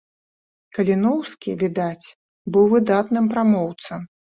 Каліноўскі, відаць, быў выдатным прамоўцам.